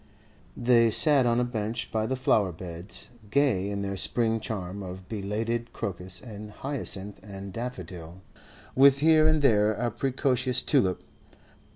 They sat on a bench by the flower beds, gay in their spring charm of belated crocus and hyacinth and daffodil, with here and there a precocious tulip.